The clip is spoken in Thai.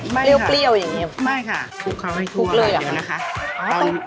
เปรี้ยวเปรี้ยวอย่างเงี้ยไม่ค่ะคลุกเขาให้ทั่วคลุกเลยอ่ะเดี๋ยวนะคะอ๋อ